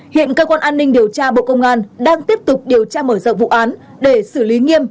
hiện cơ quan an ninh điều tra bộ công an đang tiếp tục điều tra mở rộng vụ án để xử lý nghiêm